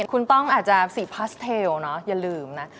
คุณต้องอาจจะสีพาสเทลเนอะอย่าลืมนะ